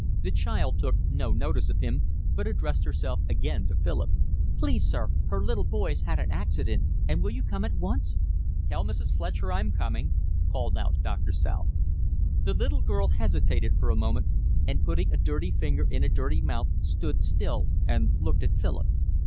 The child took no notice of him, but addressed herself again to Philip. "Please, sir, her little boy's had an accident and will you come at once?" "Tell Mrs. Fletcher I'm coming," called out Doctor South. The little girl hesitated for a moment, and putting a dirty finger in a dirty mouth stood still and looked at Philip.